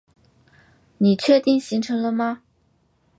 你确定行程了吗？